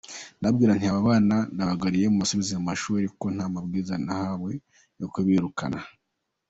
Ndababwira nti ‘aba bana ndabagaruye mubasubize mu ishuri kuko nta mabwiriza nahawe yo kubirukana.